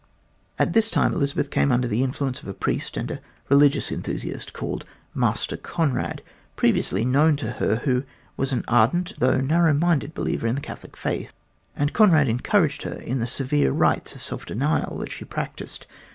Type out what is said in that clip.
At this time Elizabeth came under the influence of a priest and a religious enthusiast called Master Conrad, previously known to her, who was an ardent, though a narrow minded believer in the Catholic faith; and Conrad encouraged her in the severe rites of self denial that she practised.